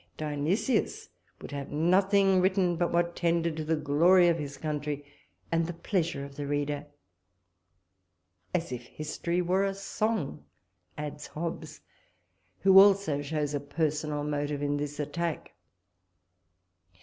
Dionysius would have nothing written but what tended to the glory of his country and the pleasure of the reader as if history were a song! adds Hobbes, who also shows a personal motive in this attack.